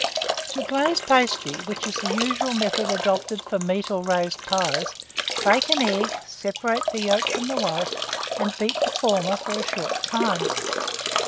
To glaze pastry, which is the usual method adopted for meat or raised pies, break an egg, separate the yolk from the white, and beat the former for a short time.